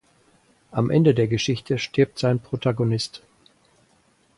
Am Ende der Geschichte stirbt sein Protagonist.